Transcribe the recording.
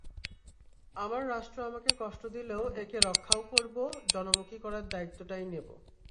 আমার রাষ্ট্র আমাকে কষ্ট দিলেও, একে রক্ষাও করব, জনমুখী করার দায়িত্বটাই নেব।